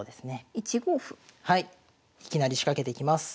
いきなり仕掛けていきます。